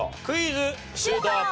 クイズ。